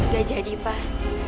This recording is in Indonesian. gak jadi pak